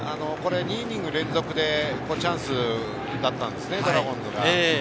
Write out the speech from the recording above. ２イニング連続でチャンスだったんですね、ドラゴンズが。